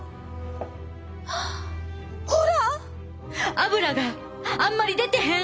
アブラがあんまり出てへん！